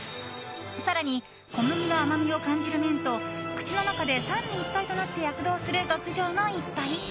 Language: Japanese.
更に、小麦の甘みを感じる麺と口の中で三位一体となって躍動する、極上の一杯。